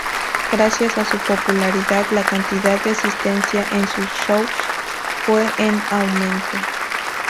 Gracias a su popularidad la cantidad de asistencia en sus shows fue en aumento.